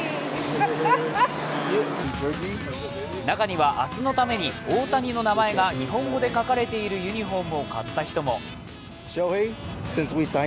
中には、明日のために大谷の名前が日本語で書かれているユニフォームを買った人も。